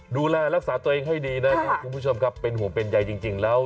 ดูแลรักษาตัวเองให้ดีนะครับคุณผู้ชมครับเป็นห่วงเป็นใยจริงแล้ว